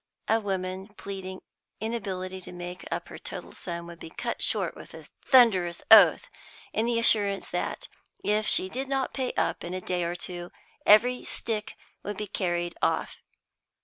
A woman pleading inability to make up her total sum would be cut short with a thunderous oath, and the assurance that, if she did not pay up in a day or two, every stick would be carried off.